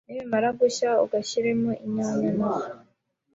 nibimara gushya ugashyiremo inyanya nazo